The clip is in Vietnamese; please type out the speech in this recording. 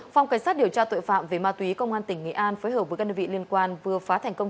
phòng cảnh sát điều tra tội phạm về ma túy công an tỉnh nghệ an phối hợp với các đơn vị liên quan vừa phá thành công